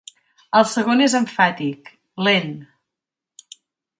El segon és emfàtic, lent.